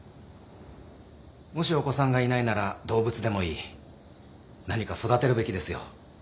もしお子さんがいないなら動物でもいい何か育てるべきですよ。